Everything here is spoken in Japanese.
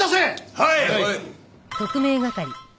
はい！